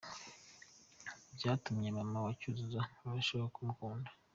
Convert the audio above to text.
Byatumye mama wa Cyuzuzo arushaho kumukunda.